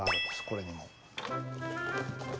これにも。